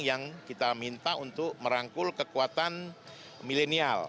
yang kita minta untuk merangkul kekuatan milenial